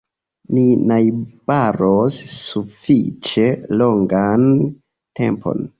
Ni najbaros sufiĉe longan tempon.